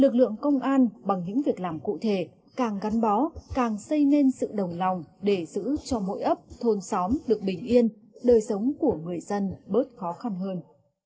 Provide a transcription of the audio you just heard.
lực lượng công an bằng những việc làm cụ thể càng gắn bó càng xây nên sự đồng lòng để giữ cho mỗi ấp thôn xóm được bình yên đời sống của người dân bớt khó khăn hơn